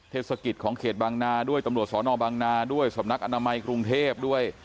เทศกิจของเขตบางนาด้วยตำรวจสอนอบางนาด้วยสำนักอนามัยกรุงเทพด้วย